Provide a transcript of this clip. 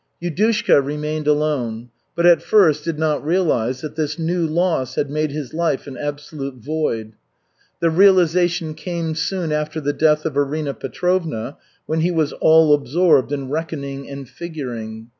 Yudushka remained alone, but at first did not realize that this new loss had made his life an absolute void. The realization came soon after the death of Arina Petrovna, when he was all absorbed in reckoning and figuring.